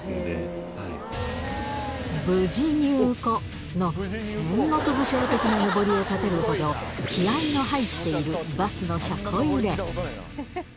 無事入庫の戦国武将的なのぼりを立てるほど、気合いの入っているバスの車庫入れ。